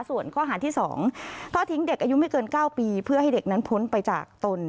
ส่วนข้อหาที่๒ทอดทิ้งเด็กอายุไม่เกิน๙ปีเพื่อให้เด็กนั้นพ้นไปจากตน